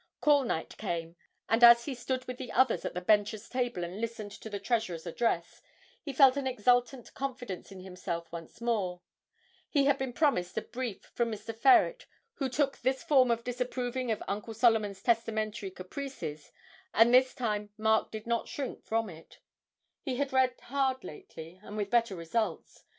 Call night came, and as he stood with the others at the Benchers' table and listened to the Treasurer's address, he felt an exultant confidence in himself once more; he had been promised a brief from Mr. Ferret, who took this form of disapproving of Uncle Solomon's testamentary caprices, and this time Mark did not shrink from it he had read hard lately, and with better results.